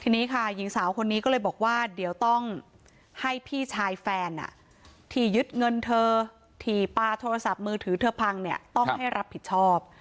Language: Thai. ทีนี้ค่ะหญิงสาวคนนี้ก็เลยบอกว่าเดี๋ยวต้องให้พี่ชายแฟนที่ยึดเงินเธอถี่ปลาโทรศัพท์มือถือเธอพังเนี่ยต้องให้รับผิดชอบ